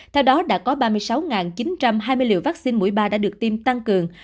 theo đó đã có ba mươi sáu chín trăm hai mươi liều vaccine mũi ba đã được tiêm tăng cường